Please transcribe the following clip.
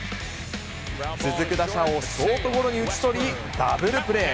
続く打者をショートゴロに打ち取り、ダブルプレー。